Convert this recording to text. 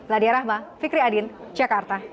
ladia rahma fikri adin jakarta